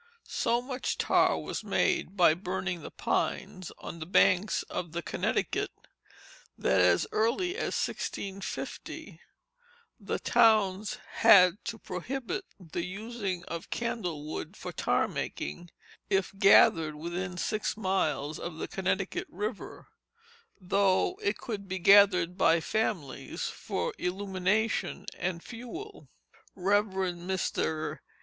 So much tar was made by burning the pines on the banks of the Connecticut, that as early as 1650 the towns had to prohibit the using of candle wood for tar making if gathered within six miles of the Connecticut River, though it could be gathered by families for illumination and fuel. Rev. Mr.